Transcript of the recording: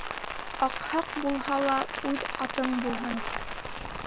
Аҡһаҡ булһа ла үҙ атың булһын.